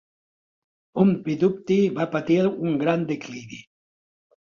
Humpty Dumpty va patir un gran declivi.